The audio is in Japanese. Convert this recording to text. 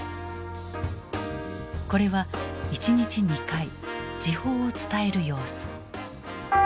これは１日２回時報を伝える様子。